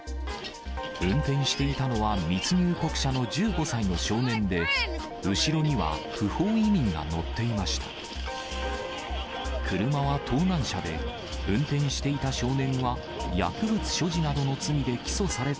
運転していたのは密入国者の１５歳の少年で、後ろには不法移民が乗っていました。